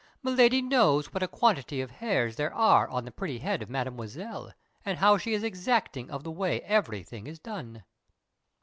Miladi knows what a quantity of the hairs there are on the pretty head of Mademoiselle, and how she is exacting of the way everything is done!"